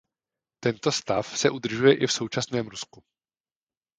Tento stav se udržuje i v současném Rusku.